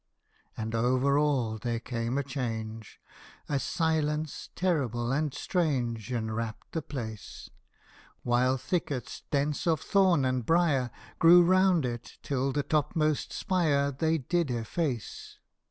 And over all there came a change ; A silence terrible and strange Enwrapt the place ; While thickets dense of thorn and brier Grew round it till the topmost spire They did efface.